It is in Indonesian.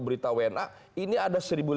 berita una ini ada satu lima ratus